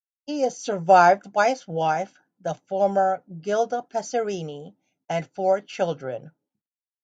He is survived by his wife, the former Gilda Passerini and four children.